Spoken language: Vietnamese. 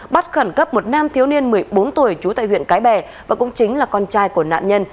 bắt khẩn cấp một nam thiếu niên một mươi bốn tuổi trú tại huyện cái bè và cũng chính là con trai của nạn nhân